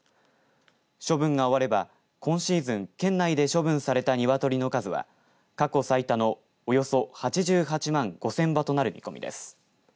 処分が終われば今シーズン県内で処分された鶏の数は過去最多のおよそ８８万５０００羽となる見込みです。